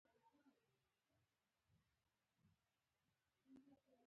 نه د ټکټ اخیستلو تشویش لرم او نه د هوټل غم.